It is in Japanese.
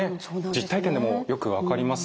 実体験でもよく分かります。